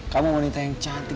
kamu wanita yang cantik